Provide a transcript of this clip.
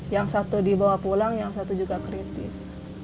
yang satu dibawa pulang yang satu juga kritis